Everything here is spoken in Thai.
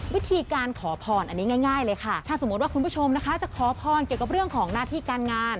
วิธีการขอพรอันนี้ง่ายเลยค่ะถ้าสมมติว่าคุณผู้ชมนะคะจะขอพรเกี่ยวกับเรื่องของหน้าที่การงาน